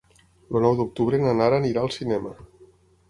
El nou d'octubre na Nara anirà al cinema.